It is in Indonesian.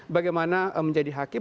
bagaimana menjadi hakim